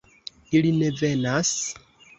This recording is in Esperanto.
Ili ne venas?